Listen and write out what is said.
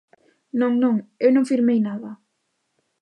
Non, non, eu non firmei nada.